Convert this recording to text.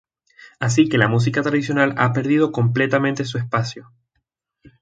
Así que la música tradicional ha perdido completamente su espacio.